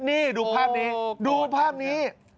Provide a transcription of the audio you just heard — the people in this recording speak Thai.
นี่ดูภาพนี้ดูภาพนี้